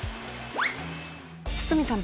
堤さん